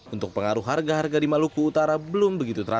untuk pengaruh harga harga di maluku utara belum begitu terasa